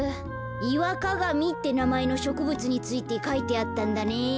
イワカガミってなまえのしょくぶつについてかいてあったんだね。